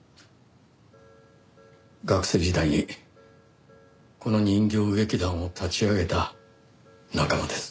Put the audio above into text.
学生時代にこの人形劇団を立ち上げた仲間です。